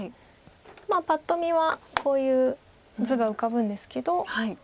まあパッと見はこういう図が浮かぶんですけど。